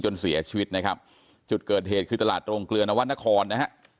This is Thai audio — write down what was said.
เสียชีวิตนะครับจุดเกิดเหตุคือตลาดโรงเกลือนวรรณครนะฮะ